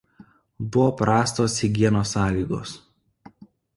Buvo prastos higienos sąlygos.